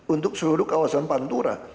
untuk seluruh kawasan pantura